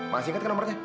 masih inget kan nomernya